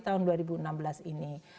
tahun dua ribu enam belas ini